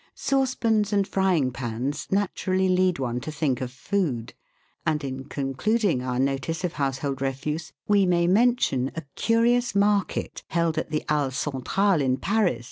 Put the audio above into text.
Saucepans and frying pans naturally lead one to think of food, and in concluding our notice of household refuse, we may mention a curious market held at the Halles Centrales, in Paris (Fig.